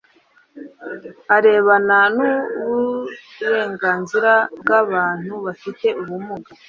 arebana n Uburenganzira bw Abantu bafite ubumuga